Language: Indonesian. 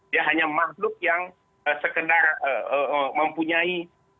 dia hanya makhluk yang sekedar mempunyai